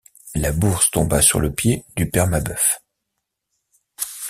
La bourse tomba sur le pied du père Mabeuf.